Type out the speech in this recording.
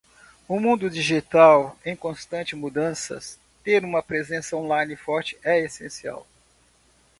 Num mundo digital em constante mudança, ter uma presença online forte é essencial.